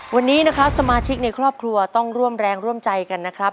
วันนี้นะครับสมาชิกในครอบครัวต้องร่วมแรงร่วมใจกันนะครับ